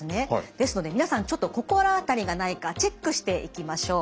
ですので皆さんちょっと心当たりがないかチェックしていきましょう。